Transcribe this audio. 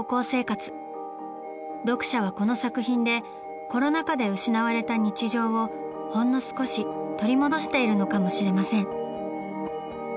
読者はこの作品でコロナ禍で失われた「日常」をほんの少し取り戻しているのかもしれません。